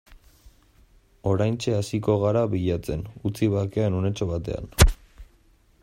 Oraintxe hasiko gara bilatzen, utzi bakean unetxo batean.